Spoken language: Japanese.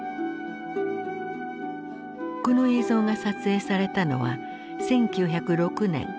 この映像が撮影されたのは１９０６年４月１４日。